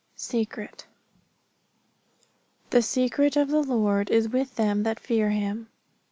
SECRET "The secret of the Lord is with them that fear Him."